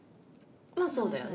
まぁそうだよね。